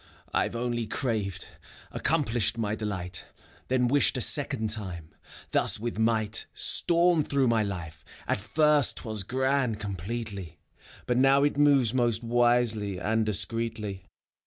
7ve oHiy^'oc^ved, accomplished my delight, Then wishec^lTsecondTmrgTand^thus with might Stormed throiigh~myiife^~at flrst *t was grand, com pletely, Jut now it moves most wisely and discreetly.